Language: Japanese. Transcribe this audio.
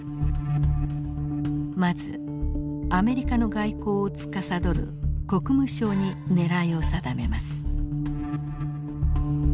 まずアメリカの外交をつかさどる国務省に狙いを定めます。